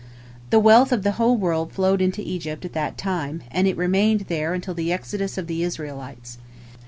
The wealth of the whole world flowed into Egypt at that time, and it remained there until the exodus of the Israelites.